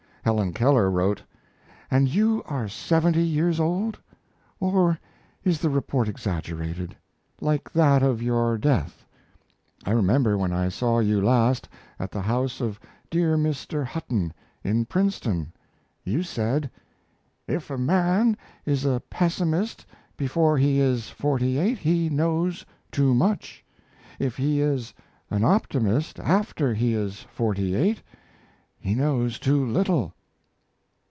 Helen Keller wrote: And you are seventy years old? Or is the report exaggerated, like that of your death? I remember, when I saw you last, at the house of dear Mr. Hutton, in Princeton, you said: "If a man is a pessimist before he is forty eight he knows too much. If he is an optimist after he is forty eight he knows too little."